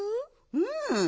うん。